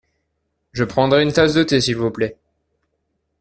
Je prendrai une tasse de thé s’il vous plait.